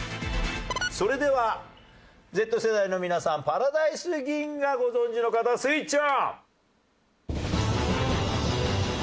それではＺ世代の皆さんパラダイス銀河ご存じの方スイッチオン！